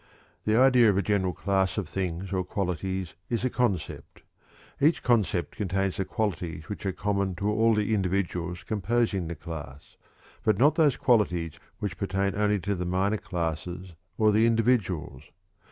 The idea of a general class of things or qualities is a concept. Each concept contains the qualities which are common to all the individuals composing the class, but not those qualities which pertain only to the minor classes or the individuals.